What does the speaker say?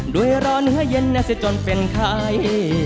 ด้วยรอเหนือเย็นและเสียจนเป็นใคร